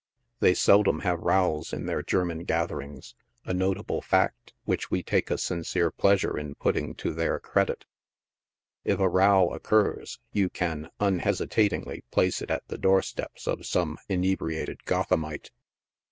They sel dom have rows in their German gatherings — a notable fact, which wo take a sincere pleasure in putting to their credit ; if a row occurs, you can, unhesitatingly, place it at the door steps of some inebriated Gothamite.